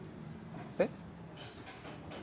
えっ？